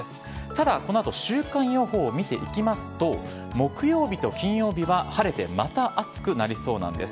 ただ、このあと週間予報を見ていきますと、木曜日と金曜日は晴れて、また暑くなりそうなんです。